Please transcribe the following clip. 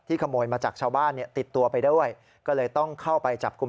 ขโมยมาจากชาวบ้านเนี่ยติดตัวไปด้วยก็เลยต้องเข้าไปจับกลุ่ม